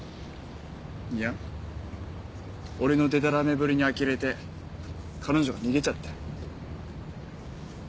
いや俺のデタラメぶりにあきれて彼女が逃げちゃったよ。